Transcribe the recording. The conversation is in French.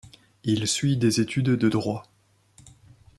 Il suit des études de droit.